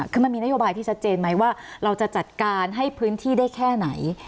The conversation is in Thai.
คือมันมีนโยบายที่ชัดเจนไหมว่าเราจะจัดการให้พื้นที่ได้แค่ไหน